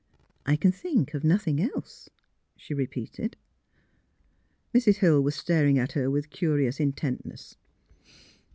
" I can think of nothing else," she re peated. Mrs. Hill was staring at her with curious in tentness.